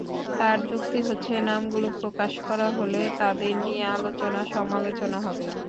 তাঁর যুক্তি হচ্ছে নামগুলো প্রকাশ করা হলে তাঁদের নিয়ে আলোচনা-সমালোচনা হবে।